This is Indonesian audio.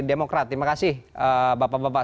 demokrat terima kasih bapak bapak